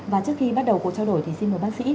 và trước khi bắt đầu cuộc trao đổi thì xin mời bác sĩ